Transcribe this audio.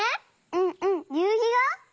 うんうんゆうひが？